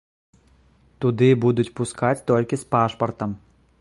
Туды будуць пускаць толькі з пашпартам.